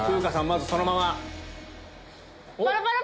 まずそのまま。